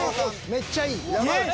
めっちゃいい。